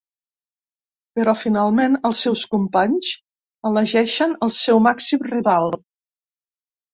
Però finalment els seus companys elegeixen el seu màxim rival.